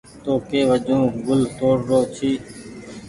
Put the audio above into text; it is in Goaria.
تو ڪي وجون گل توڙ رو ڇي۔